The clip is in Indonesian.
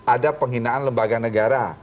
ada pengginaan lembaga negara